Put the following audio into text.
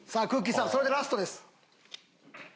さんそれでラストです。